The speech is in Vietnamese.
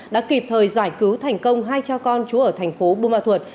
đã kịp thời giải cứu thành công hai cha con chú ở thành phố bùa mạ thuận